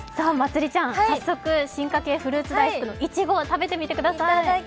早速、進化系フルーツ大福のいちご、食べてみてください。